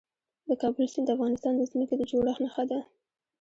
د کابل سیند د افغانستان د ځمکې د جوړښت نښه ده.